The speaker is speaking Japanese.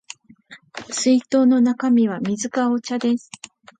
水筒の中身は水かお茶です